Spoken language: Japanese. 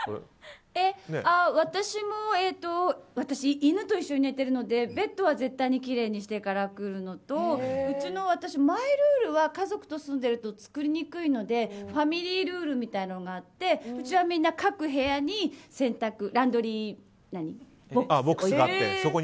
私は犬と一緒に寝てるのでベッドは絶対にきれいにしてから来るのとうちのマイルールは家族と住んでると作りにくいのでファミリールールみたいなのがあって、うちはみんな各部屋に洗濯ランドリーボックスを。